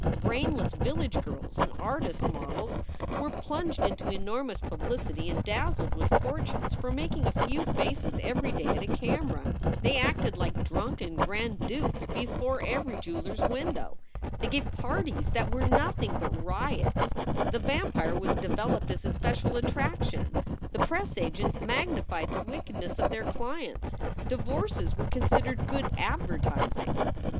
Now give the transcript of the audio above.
Brainless village girls and artists models were plunged into enormous publicity and dazzled with fortunes for making a few faces every day at a camera. "They acted like drunken Grand Dukes before every 17 250 SOULS FOR SALE jeweler s window. They gave parties that were nothing but riots. The vampire was developed as a special attraction. The press agents magnified the wickedness of their clients. Divorces were considered good advertising.